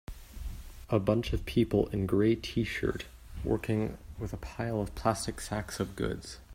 A bunch of people in gray tshirt working with a pile of plastic sacks of goods.